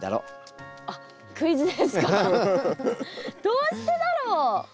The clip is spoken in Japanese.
どうしてだろう？